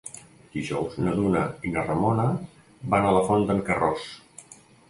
Dijous na Duna i na Ramona van a la Font d'en Carròs.